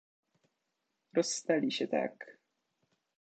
"Rozstali się tak..."